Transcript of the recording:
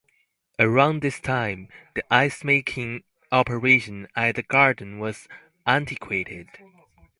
Around this time, the ice-making operation at the Garden was antiquated.